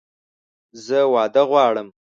زه واده غواړم!